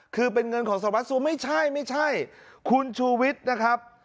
คือเป็นเงินของสวัสซูไม่ใช่ไม่ใช่คุณชูวิทย์นะครับ